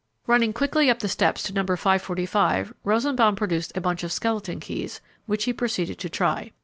Running quickly up the steps to No. 545, Rosenbaum produced a bunch of skeleton keys, which he proceeded to try.